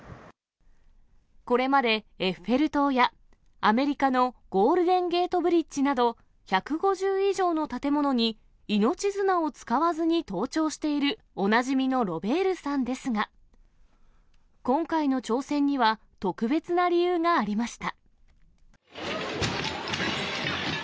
これまでエッフェル塔や、アメリカのゴールデンゲートブリッジなど、１５０以上の建物に命綱を使わずに登頂している、おなじみのロベールさんですが、今回の挑戦には、特別な理由がありました。